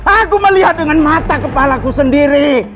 aku melihat dengan mata kepalaku sendiri